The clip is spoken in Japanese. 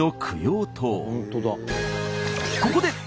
ここで何？